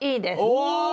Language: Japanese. お！